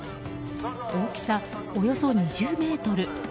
大きさおよそ２０ｍ。